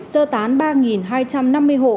sơ tán ba hai trăm năm mươi hộ